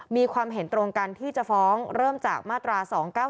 มีความเห็นตรงกันที่จะฟ้องเริ่มจากมาตรา๒๙๙